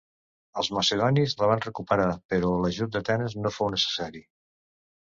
Els macedonis la van recuperar però l'ajut d'Atenes no fou necessari.